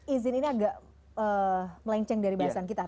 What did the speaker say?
izin ini agak melenceng dari bahasan kita